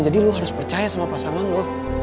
jadi lo harus percaya sama pasangan lo